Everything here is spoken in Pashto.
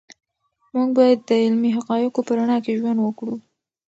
موږ باید د علمي حقایقو په رڼا کې ژوند وکړو.